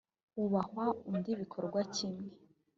uhabwa undi bikora kimwe